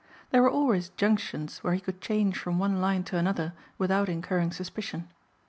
There were always junctions where he could change from one line to another without incurring suspicion.